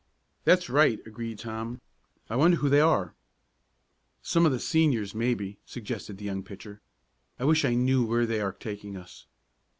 "That's right," agreed Tom. "I wonder who they are?" "Some of the seniors, maybe," suggested the young pitcher. "I wish I knew where they are taking us."